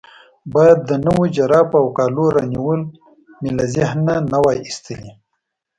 باید د نویو جرابو او کالو رانیول مې له ذهنه نه وای ایستلي.